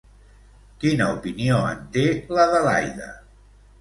Quina opinió en té l'Adelaida?